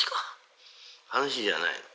話じゃないの。